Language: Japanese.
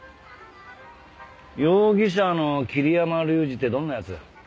容疑者の桐山竜二ってどんな奴？